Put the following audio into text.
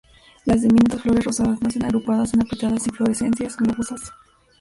Las diminutas flores rosadas nacen agrupadas en apretadas inflorescencias globosas.